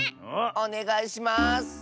おねがいします！